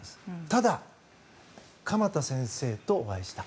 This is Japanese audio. ただ、鎌田先生とお会いした。